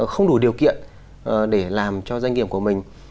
không đủ điều kiện để làm cho doanh nghiệp của mình